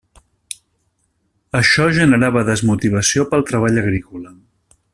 Això generava desmotivació pel treball agrícola.